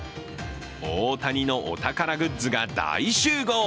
大谷のお宝グッズが大集合